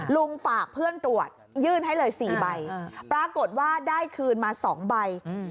ลุงฝากเพื่อนตรวจยื่นให้เลย๔ใบปรากฏว่าได้คืนมา๒ใบ